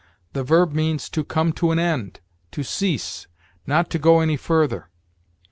The verb means to come to an end, to cease, not to go any further.